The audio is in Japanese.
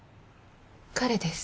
彼です。